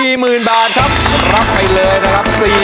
เริ่มไปเลยนะครับ